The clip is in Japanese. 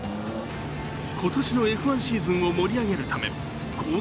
今年のＦ１シーズンを盛り上げるため公道